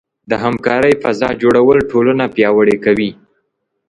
د همکارۍ فضاء جوړول ټولنه پیاوړې کوي.